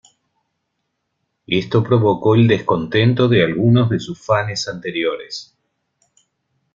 Esto provocó el descontento de algunos de sus fanes anteriores.